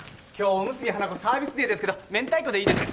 おむすび花子サービスデーですけど明太子でいいですか？